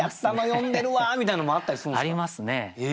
ありますね。